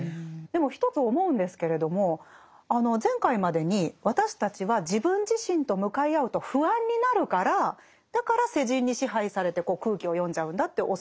でも一つ思うんですけれども前回までに私たちは自分自身と向かい合うと不安になるからだから世人に支配されて空気を読んじゃうんだって教わりましたよね。